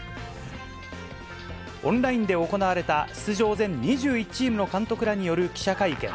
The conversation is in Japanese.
オンラインで行われた、出場全２１チームの監督らによる記者会見。